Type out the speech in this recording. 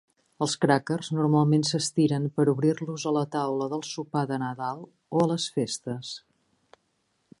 Els crackers normalment s'estiren per obrir-los a la taula del sopar de Nadal o a les festes.